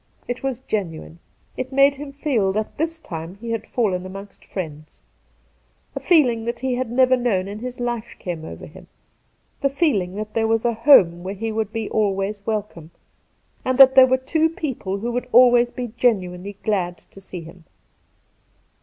It was genuine. It made him feel that this time he had fallen amongst friends. A feeling that he had never known in his life came over him, the feeling that there was a home where he would be always welcome, and that there were two people who would always be genuinely glad to see him.